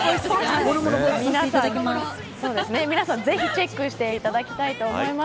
皆さん、ぜひチェックしていただきたいと思います。